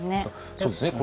そうですね